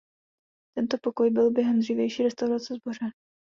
Tento pokoj byl během dřívější restaurace zbořen.